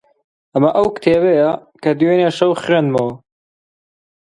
ئەمە ئەو کتێبەیە کە دوێنێ شەو خوێندمەوە.